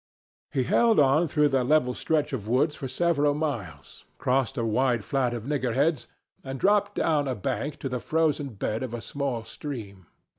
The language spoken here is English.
He held on through the level stretch of woods for several miles, crossed a wide flat of nigger heads, and dropped down a bank to the frozen bed of a small stream.